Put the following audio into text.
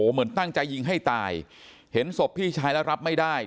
เหมือนตั้งใจยิงให้ตายเห็นศพพี่ชายแล้วรับไม่ได้